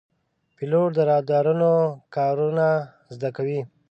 پیلوټ د رادارونو کارونه زده کوي.